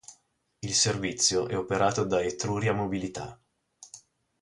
Il servizio è operato da Etruria Mobilità.